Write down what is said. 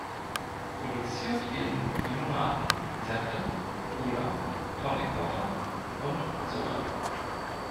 Produziert werden Limonaden, Säfte, Cola, Tonic Water und Soda.